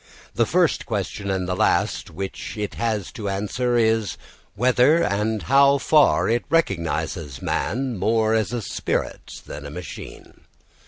The first question and the last which it has to answer is, Whether and how far it recognises man more as a spirit than a machine?